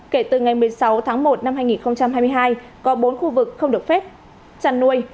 kể từ ngày một mươi sáu tháng một năm hai nghìn hai mươi hai có bốn khu vực không được phép chăn nuôi